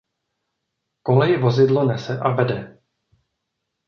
Kolej vozidlo nese a vede.